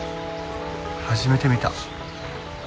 初めて見た。